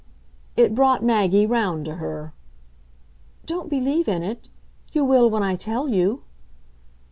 It brought Maggie round to her. "Don't believe in it? You will when I tell you."